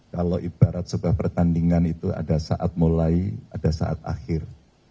kalau ibarat sebuah pertandingan itu ada saat mulai ada saat akhir